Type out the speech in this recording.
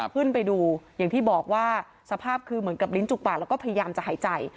ขึ้นไปดูอย่างที่บอกว่าสภาพคือเหมือนกับลิ้นจุกปากแล้วก็พยายามจะหายใจ